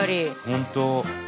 本当。